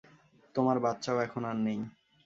তোমার বাচ্চাও এখন আর নেই।